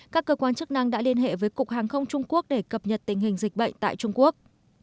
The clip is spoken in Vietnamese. các cơ quan chức năng đã liên hệ với cục hàng không trung quốc để cập nhật tình hình dịch bệnh tại trung quốc